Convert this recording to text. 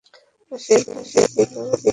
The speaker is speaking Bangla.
আর সেই দিনটি ছিল আশুরার দিন।